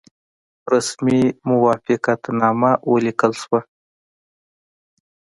رسمي موافقتنامه ولیکل شوه.